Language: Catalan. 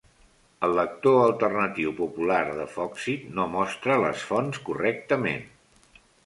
El lector alternatiu popular de Foxit no mostra les fonts correctament.